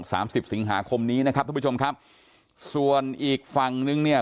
สิบสิงหาคมนี้นะครับทุกผู้ชมครับส่วนอีกฝั่งนึงเนี่ย